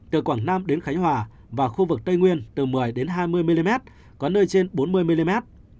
từ quảng nam đến khánh hòa và khu vực tây nguyên từ một mươi hai mươi mm có nơi trên bốn mươi mm